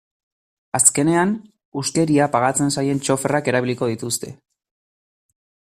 Azkenean, huskeria pagatzen zaien txoferrak erabiliko dituzte.